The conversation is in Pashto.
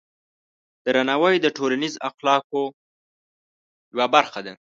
درناوی د ټولنیز اخلاقو یوه برخه ده.